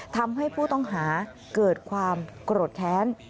ทำให้ผู้ต้องหาเกิดความโกรธแค้น